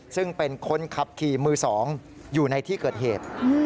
ซึ่งเป็นคนขับขี่มือ๒อยู่ในที่เกิดเหตุ